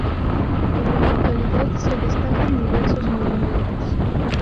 En la localidad se destacan diversos monumentos.